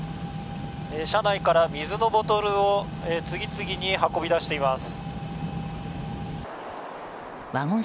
車内から水のボトルを次々に運び出しています。